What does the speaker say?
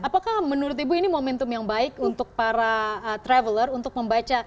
apakah menurut ibu ini momentum yang baik untuk para traveler untuk membaca